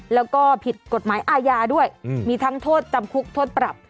แล้วก็ผิดกฎหมายอาญาด้วยมีทั้งโทษจำคุกโทษปรับ